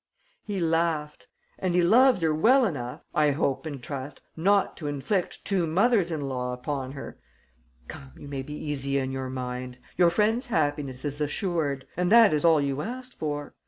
He laughed. "And he loves her well enough, I hope and trust, not to inflict two mothers in law upon her! Come, you may be easy in your mind. Your friend's happiness is assured; and that is all you asked for.